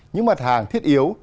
những mặt hàng thiết yếu